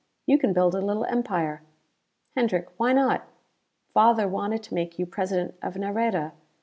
You can build a little empire. Hendrick why not? Father wanted to make you President of Nareda.